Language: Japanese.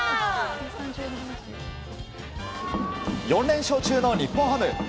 ４連勝中の日本ハム。